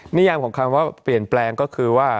นิยามของคำว่าเปลี่ยนแปลงก็คือว่า